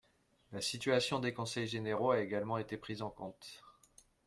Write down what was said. La situation des conseils généraux a également été prise en compte.